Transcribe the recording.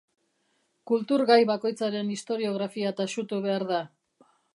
Kultur gai bakoitzaren historiografia taxutu behar da.